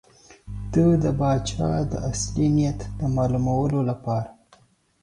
ده د پاچا د اصلي نیت د معلومولو لپاره.